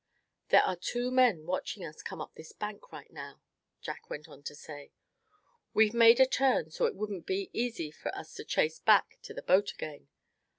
"There are two men watching us come up this bank right now," Jack went on to say. "We've made a turn so it wouldn't be easy for us to chase back to the boat again.